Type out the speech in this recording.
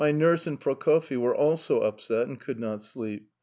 Nurse and Prokofyi were also upset end could not sleep.